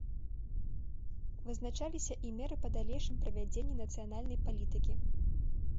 Вызначаліся і меры па далейшым правядзенні нацыянальнай палітыкі.